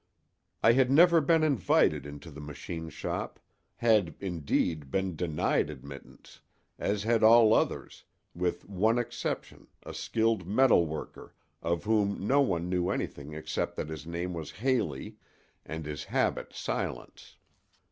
I had never been invited into the machine shop—had, indeed, been denied admittance, as had all others, with one exception, a skilled metal worker, of whom no one knew anything except that his name was Haley and his habit silence.